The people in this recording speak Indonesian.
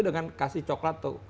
dengan kasih coklat